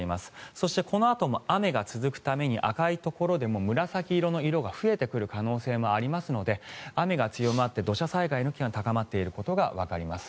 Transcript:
そしてこのあとも雨が続くために赤いところでも紫色が増えてくる可能性もありますので雨が強まって土砂災害の危険が高まっていることがわかります。